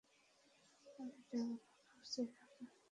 আমি এটা ব্যবহার করেছি এর আগে।